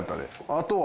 あとは？